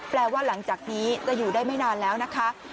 แปลว่าหลังจากนี้จะอยู่ได้ไม่นานแล้วนะคะ